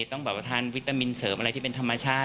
ต้องแบบว่าทานวิตามินเสริมอะไรที่เป็นธรรมชาติ